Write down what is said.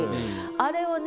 あれをね